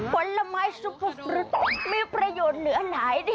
ผลไม้ซุปกรุ๊ดมีประโยชน์เหลือหลายสิ